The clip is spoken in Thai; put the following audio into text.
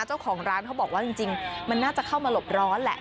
เจ้าของร้านเขาบอกว่าจริงมันน่าจะเข้ามาหลบร้อนแหละ